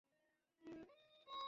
আমি টাকাটা রাখলাম।